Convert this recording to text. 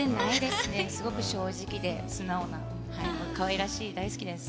すごく正直で素直なかわいらしい大好きです。